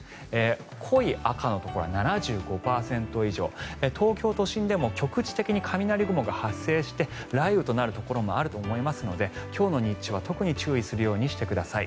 濃い赤のところは７５％以上東京都心でも局地的に雷雲が発生して雷雨となるところもあると思いますので今日の日中は特に注意するようにしてください。